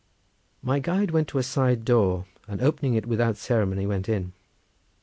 My guide went to a side door, and opening it without ceremony, went in.